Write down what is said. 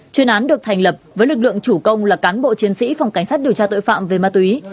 chuyên án được thành lập với lực lượng chủ công là cán bộ chiến sĩ phòng cảnh sát điều tra tội phạm về ma túy